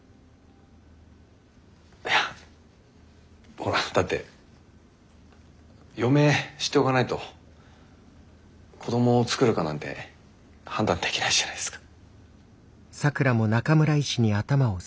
いやほらだって余命知っておかないと子どもを作るかなんて判断できないじゃないですか。